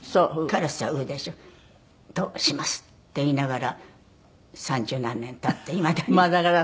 カラスは「烏」でしょう？としますって言いながら三十何年経っていまだに。